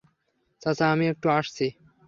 চাচা, আমি একটু আসছি।